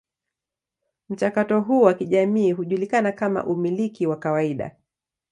Mchakato huu wa kijamii hujulikana kama umiliki wa kawaida.